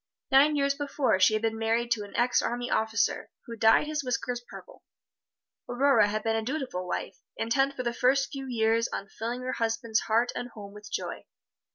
Nine years before she had been married to an ex army officer, who dyed his whiskers purple. Aurora had been a dutiful wife, intent for the first few years on filling her husband's heart and home with joy.